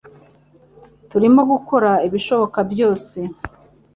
Turimo gukora ibishoboka byose